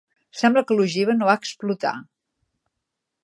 Sembla que l'ogiva no va explotar.